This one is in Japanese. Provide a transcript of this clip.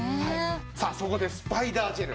さあそこでスパイダージェル。